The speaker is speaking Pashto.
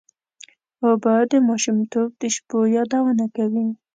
اوبه د ماشومتوب د شپو یادونه کوي.